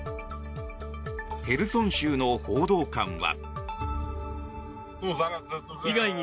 へルソン州の報道官は。